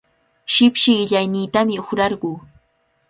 Shipshi qillayniitami uqrarquu.